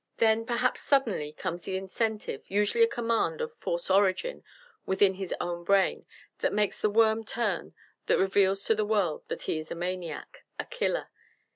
Then perhaps suddenly comes the incentive, usually a command of false origin within his own brain, that makes the worm turn that reveals to the world that he is a maniac a 'killer.'